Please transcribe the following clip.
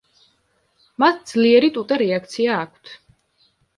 მათ ძლიერი ტუტე რეაქცია აქვთ.